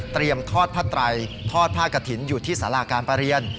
ทอดผ้าไตรทอดผ้ากระถิ่นอยู่ที่สาราการประเรียน